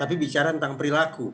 tapi bicara tentang perilaku